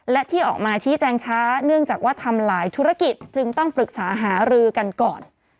และที่ออกมาชี้แจงช้าเนื่องจากว่าทำหลายธุรกิจจึงต้องปรึกษาหารือกันก่อน